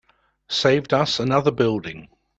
Saved us another building.